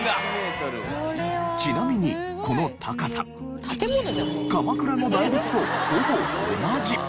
ちなみにこの高さ鎌倉の大仏とほぼ同じ。